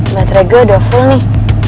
baterai gue udah full nih